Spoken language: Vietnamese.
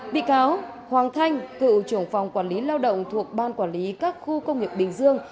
bị cáo hoàng thanh cựu trưởng phòng quản lý lao động thuộc ban quản lý các khu công nghiệp bình dương